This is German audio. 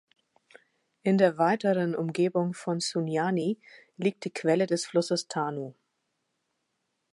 In der weiteren Umgebung von Sunyani liegt die Quelle des Flusses Tano.